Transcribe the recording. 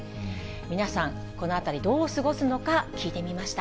皆さん、このあたり、どう過ごすのか聞いてみました。